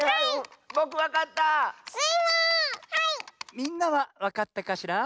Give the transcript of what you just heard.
みんなはわかったかしら？